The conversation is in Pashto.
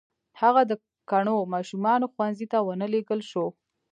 هغه د کڼو ماشومانو ښوونځي ته و نه لېږل شو.